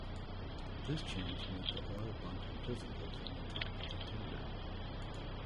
This change made the oil bunker visible from the top of the tender.